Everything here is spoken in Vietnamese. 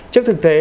trước thực tế